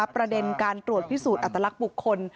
ประเด็นการตรวจพิสูจน์อัตลักษณ์บุคคล